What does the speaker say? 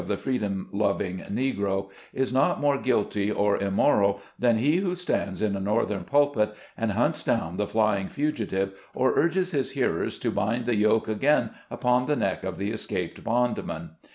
the freedom loving Negro, is not more guilty or immoral than he who stands in a northern pulpit, and hunts down the flying fugitive, or urges his hearers to bind the yoke again upon the neck of the escaped bondman.